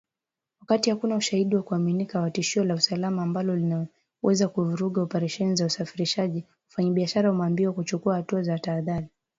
Wakati hakuna ushahidi wa kuaminika wa tishio la usalama ambalo linaweza kuvuruga operesheni za usafirishaji wafanyabiashara wameambiwa kuchukua hatua za taadhari.